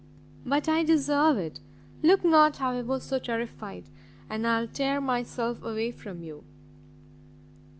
but I deserve it! look not, however, so terrified, and I will tear myself away from you.